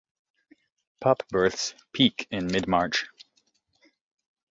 Pup births peak in mid-March.